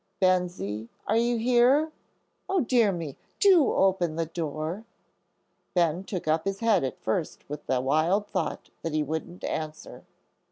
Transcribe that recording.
"Bensie, are you here? O dear me! Do open the door." Ben took up his head at first with the wild thought that he wouldn't answer.